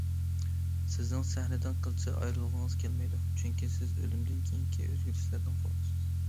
سىزنىڭ سەھنىدىن قىلچە ئايرىلغۇڭىز كەلمەيدۇ، چۈنكى، سىز ئۆلۈمدىن كېيىنكى ئۆزگىرىشلەردىن قورقىسىز.